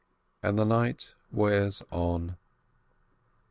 And the night wears on.